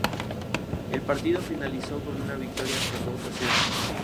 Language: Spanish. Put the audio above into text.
El partido finalizó con una victoria por dos a cero.